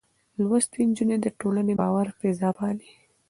لوستې نجونې د ټولنې باورمنه فضا پالي.